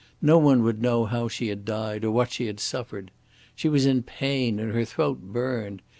No one would know how she had died or what she had suffered. She was in pain, and her throat burned.